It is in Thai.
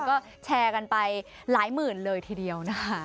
ก็แชร์กันไปหลายหมื่นเลยทีเดียวนะคะ